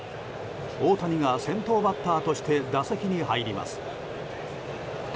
大谷が先頭バッターとして打席に入ります。